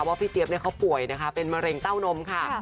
พี่เจี๊ยบเขาป่วยนะคะเป็นมะเร็งเต้านมค่ะ